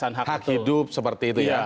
ada penyelidikan hak hak hidup seperti itu ya